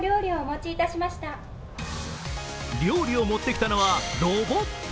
料理を持ってきたのはロボット！